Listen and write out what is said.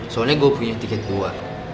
soalnya gue punya tiket keluar